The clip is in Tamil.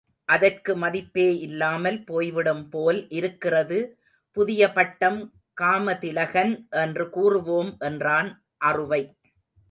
அதற்கு மதிப்பே இல்லாமல் போய்விடும் போல் இருக்கிறது புதிய பட்டம் காமதிலகன் என்று கூறுவோம் என்றான் அறுவை.